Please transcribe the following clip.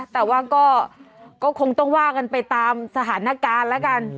แต่ว่าก็คงต้องว่ากันไปตามสถานการณ์แล้วกัน